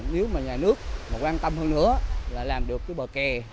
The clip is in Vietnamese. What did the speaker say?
nếu mà nhà nước mà quan tâm hơn nữa là làm được cái bờ kè